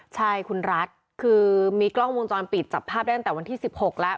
ใช่คุณรัฐคือมีกล้องวงจรปิดจับภาพได้ตั้งแต่วันที่๑๖แล้ว